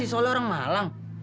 tidak soleh orang malang